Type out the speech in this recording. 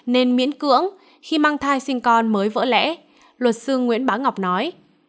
nên miễn cưỡng khi mang thai sinh con mới vỡ lẽ luật sư nguyễn bá ngọc nói